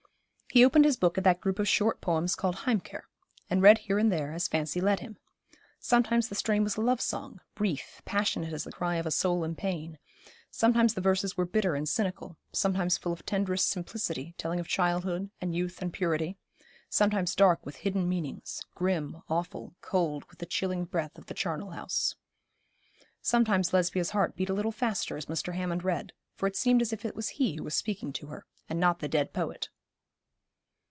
He opened his book at that group of short poems called Heimkehr, and read here and there, as fancy led him. Sometimes the strain was a love song, brief, passionate as the cry of a soul in pain; sometimes the verses were bitter and cynical; sometimes full of tenderest simplicity, telling of childhood, and youth and purity; sometimes dark with hidden meanings, grim, awful, cold with the chilling breath of the charnel house. Sometimes Lesbia's heart beat a little faster as Mr. Hammond read, for it seemed as if it was he who was speaking to her, and not the dead poet.